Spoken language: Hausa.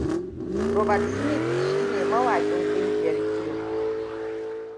Robert Smith shine mawakin kungiyar Cure.